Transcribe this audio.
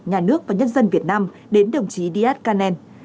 nhà nước và nhân dân việt nam đến đồng chí díaz canel